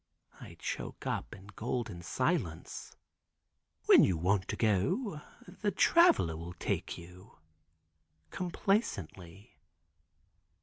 I choke up in golden silence. "When you want to go the Traveler will take you," complacently.